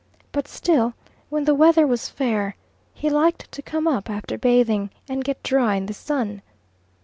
But still, when the weather was fair, he liked to come up after bathing, and get dry in the sun.